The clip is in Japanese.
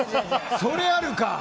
それあるか。